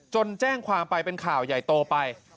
แจ้งความไปเป็นข่าวใหญ่โตไป